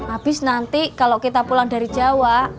abis nanti kalau kita pulang dari jawa